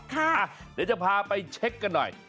เดี๋ยวจะพาไปเช็คกันหน่อย